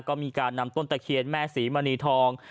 ก็มีการนำต้นตะเคียนแม่ศรีมณีทอง